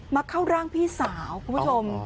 เข้าร่างพี่สาวคุณผู้ชม